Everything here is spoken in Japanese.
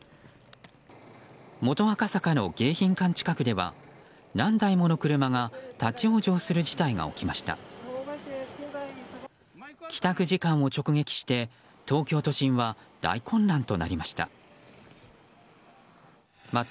元赤坂の迎賓館近くでは何台もの車が立ち往生する事態が起きました。